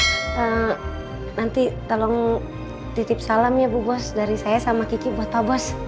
nanti tolong titip salam ya bu bos dari saya sama kiki buat to bos